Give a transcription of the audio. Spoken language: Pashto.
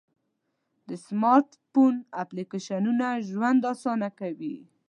د سمارټ فون اپلیکیشنونه ژوند آسانه کوي.